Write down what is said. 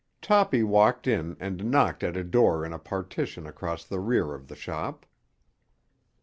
Toppy walked in and knocked at a door in a partition across the rear of the shop.